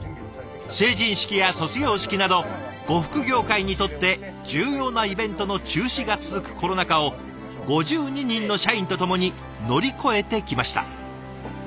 成人式や卒業式など呉服業界にとって重要なイベントの中止が続くコロナ禍を５２人の社員と共に乗り越えてきました。